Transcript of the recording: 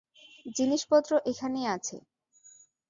জিনিসপত্র এখানেই আছে।